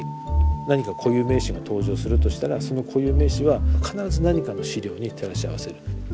何か固有名詞が登場するとしたらその固有名詞は必ず何かの資料に照らし合わせる。